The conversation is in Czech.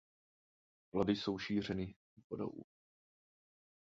Plody jsou šířeny vodou.